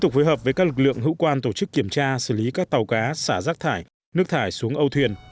các lực lượng hữu quan tổ chức kiểm tra xử lý các tàu cá xả rác thải nước thải xuống âu thuyền